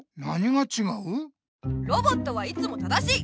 ロボットはいつも正しい！